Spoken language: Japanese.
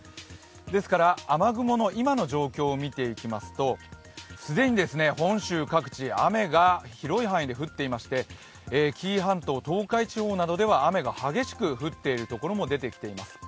ですから雨雲の今の状況を見てみますと既に本州各地、雨が広い範囲で降っていまして紀伊半島、東海地方などでは雨が激しく降っている所もあります。